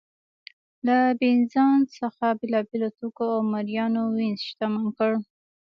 له بېزانس څخه بېلابېلو توکو او مریانو وینز شتمن کړ